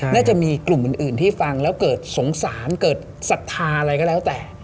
น่าจะมีกลุ่มอื่นที่ฟังแล้วเกิดสงสารเกิดศรัทธาอะไรก็แล้วแต่